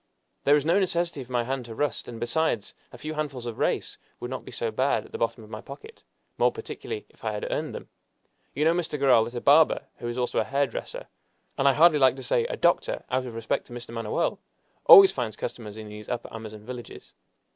There is no necessity for my hand to rust; and, besides, a few handfuls of reis would not be so bad at the bottom of my pocket, more particularly if I had earned them. You know, Mr. Garral, that a barber who is also a hairdresser and I hardly like to say a doctor, out of respect to Mr. Manoel always finds customers in these Upper Amazon villages."